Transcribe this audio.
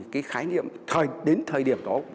cái khái niệm đến thời điểm đó